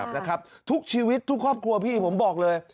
นะครับทุกชีวิตทุกครอบครัวพี่ผมบอกเลย